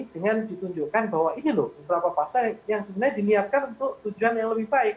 dengan ditunjukkan bahwa ini loh beberapa pasal yang sebenarnya diniatkan untuk tujuan yang lebih baik